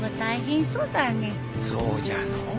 そうじゃのう。